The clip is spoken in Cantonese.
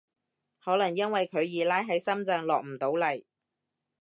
可能因為佢二奶喺深圳落唔到嚟